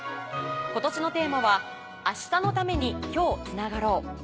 今年のテーマは「明日のために、今日つながろう。」。